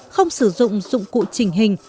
không sử dụng dụng cụ trình hình